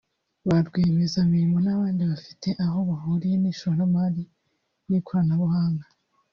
ba rwiyemezamirimo n’abandi bafite aho bahuriye n’ishoramari n’ikoranabuhanga